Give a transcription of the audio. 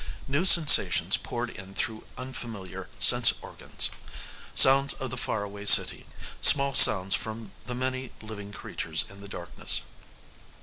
New sensations poured in through unfamiliar sense organs. Sounds of the faraway city, small sounds from the many living creatures in the darkness.